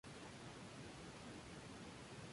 Su línea de investigación se centró en el arte moderno.